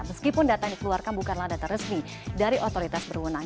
meskipun data yang dikeluarkan bukanlah data resmi dari otoritas berwenang